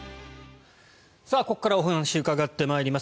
ここからお話を伺ってまいります。